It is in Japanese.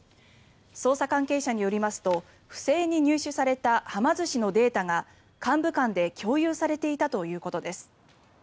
捜査関係者によりますと不正に入手されたはま寿司のデータが幹部間で共有されていたということです。